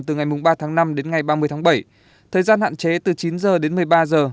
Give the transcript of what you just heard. từ ngày ba tháng năm đến ngày ba mươi tháng bảy thời gian hạn chế từ chín giờ đến một mươi ba giờ